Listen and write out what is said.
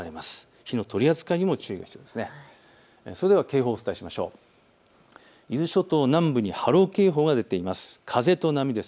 火の取り扱いにも注意が必要です。